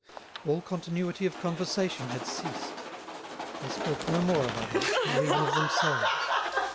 All continuity of conversation had ceased; they spoke no more of others, nor even of themselves.